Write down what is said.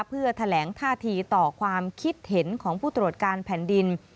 เพื่อแถลงท่าทีต่อความคิดเห็นของผู้ตรวจการแผ่นดิน